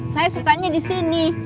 saya sukanya di sini